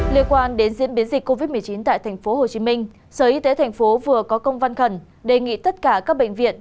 liên quan đến diễn biến dịch covid một mươi chín tại tp hcm sở y tế tp vừa có công văn khẩn đề nghị tất cả các bệnh viện